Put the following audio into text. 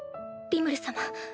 リムル様